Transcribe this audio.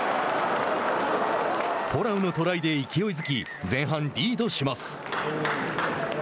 フォラウのトライで勢いづき前半リードします。